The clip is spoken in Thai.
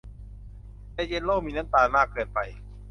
ในเจลโล่มีน้ำตาลมากเกินไป